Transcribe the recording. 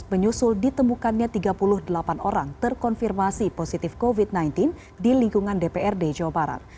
menyusul ditemukannya tiga puluh delapan orang terkonfirmasi positif covid sembilan belas di lingkungan dprd jawa barat